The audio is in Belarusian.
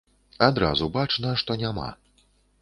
Адразу бачна, што няма.